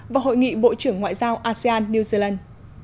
và hội nghị bộ trưởng ngoại giao asean new zealand